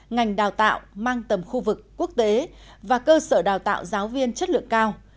ngành đào tạo mang tầm khu vực quốc tế và cơ sở đào tạo giáo viên chất lượng cao